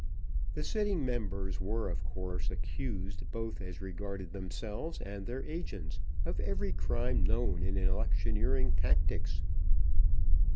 The sitting members were of course accused, both as regarded themselves and their agents, of every crime known in electioneering tactics.